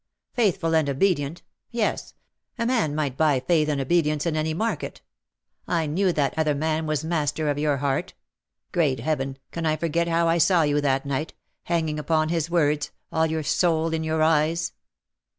" Faithful and obedient ; yes — a man might buy faith and obedience in any market. I knew that other man was master of your heart. Great Heaven, can I forget how I saw you that nighty hanging upon his words, all your soul in your eyes.''